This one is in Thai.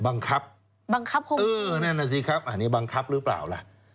บังคับแน่นอนสิครับอันนี้บังคับหรือเปล่าล่ะ